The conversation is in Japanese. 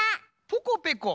ポコペコ。